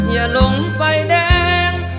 อย่าลงไฟแดง